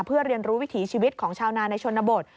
เพื่อเรียนรู้วิถีชีวิตของชาวนาในชนบท